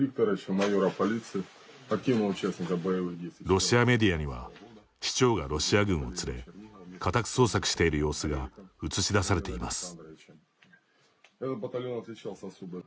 ロシアメディアには市長がロシア軍を連れ家宅捜索をしている様子が映し出されています。